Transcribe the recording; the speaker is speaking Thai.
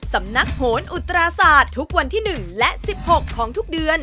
สำนักโหนอุตราศาสตร์ทุกวันที่๑และ๑๖ของทุกเดือน